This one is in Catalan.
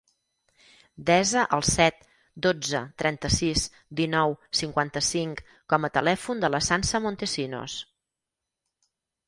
Desa el set, dotze, trenta-sis, dinou, cinquanta-cinc com a telèfon de la Sança Montesinos.